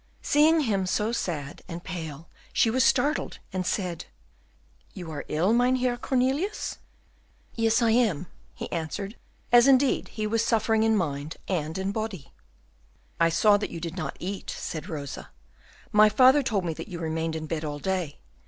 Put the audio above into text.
Seeing him so sad and pale, she was startled, and said, "You are ill, Mynheer Cornelius?" "Yes, I am," he answered, as indeed he was suffering in mind and in body. "I saw that you did not eat," said Rosa; "my father told me that you remained in bed all day.